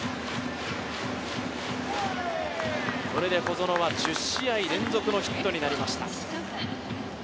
これで小園は１０試合連続のヒットになりました。